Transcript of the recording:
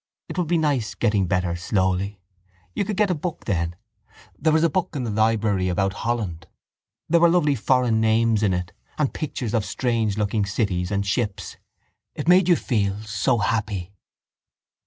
It would be nice getting better slowly. You could get a book then. There was a book in the library about Holland. There were lovely foreign names in it and pictures of strangelooking cities and ships. It made you feel so happy.